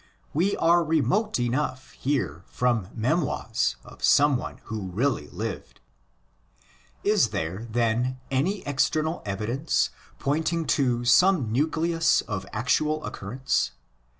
Weare remote enough here from memoirs of some one who really lived. Is there, then, any external evidence pointing to some nucleus of actual occurrence?